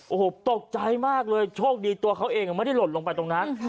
โอ้โหตกใจมากเลยโชคดีตัวเขาเองไม่ได้หล่นลงไปตรงนั้น